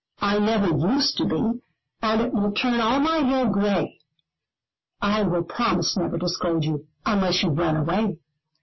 I never used to be; and it will turn all my hair gray." "I will promise never to scold you, unless you run away."